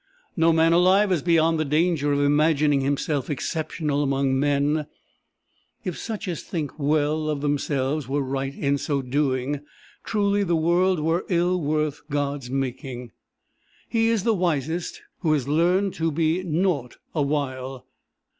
No man alive is beyond the danger of imagining himself exceptional among men: if such as think well of themselves were right in so doing, truly the world were ill worth God's making! He is the wisest who has learned to 'be naught awhile!'